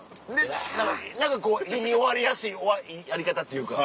何かこういい終わりやすいやり方というか。